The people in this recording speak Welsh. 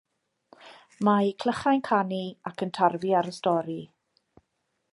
Mae clychau'n canu ac yn tarfu ar y stori.